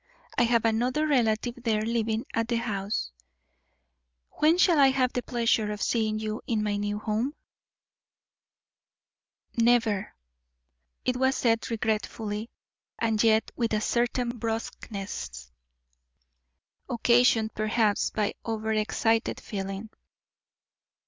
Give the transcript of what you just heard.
"I have another relative there living at the house. When shall I have the pleasure of seeing you in my new home?" "Never." It was said regretfully, and yet with a certain brusqueness, occasioned perhaps by over excited feeling.